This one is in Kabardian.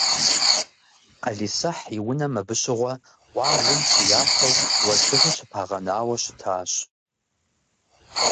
Ӏэлисахь и унэм абы щыгъуэ, къуажэм щыяпэу, уэздыгъэ щыпагъэнауэ щытащ.